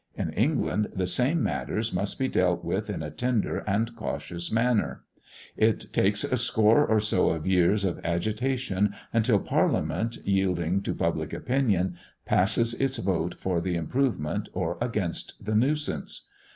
In England the same matters must be dealt with in a tender and cautious manner; it takes a score or so of years of agitation, until parliament yielding to public opinion, passes its vote for the improvement, or against the nuisance.